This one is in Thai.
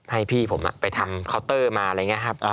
ให้พี่ผมไปทำเคาน์เตอร์มาอะไรอย่างนี้ครับ